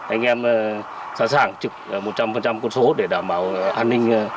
anh em sẵn sàng chụp một trăm linh côn số để đảm bảo an ninh